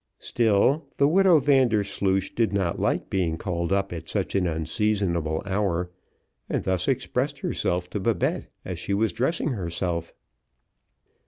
Still, the widow Vandersloosh did not like being called up at such an unseasonable hour, and thus expressed herself to Babette as she was dressing herself.